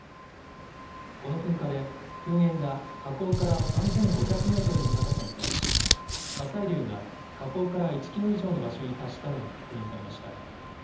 この噴火で噴煙が火口から３５００メートルの高さに達し火砕流が火口から１キロ以上の場所に達したのが確認されました。